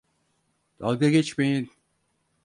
Dalga geçmeyin.